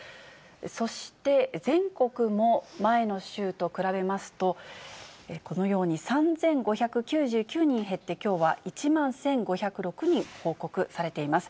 そして、全国も前の週と比べますと、このように３５９９人減って、きょうは１万１５０６人報告されています。